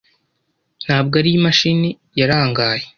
ntabwo ari imashini yarangaye.